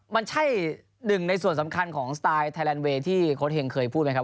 มันใช่หนึ่งในส่วนสำคัญของสไตล์ไทยแลนด์เวย์ที่โค้ดเฮงเคยพูดไหมครับ